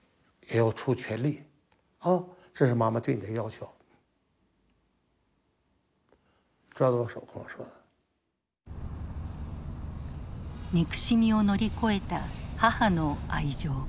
憎しみを乗り越えた母の愛情。